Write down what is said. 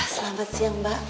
selamat siang mbak